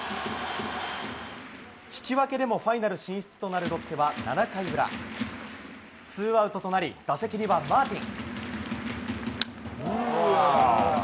引き分けでもファイナル進出となるロッテは７回裏、ツーアウトとなり打席にはマーティン。